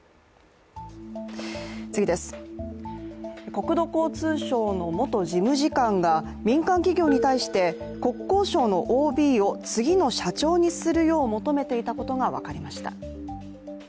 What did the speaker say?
国土交通省の元事務次官が民間企業に対して、国交省のＯＢを次の社長にするよう求めていたことが分かりました。